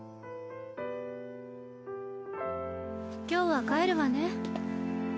今日は帰るわね。